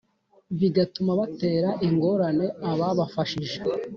bigatuma batera ingorane ababafashije.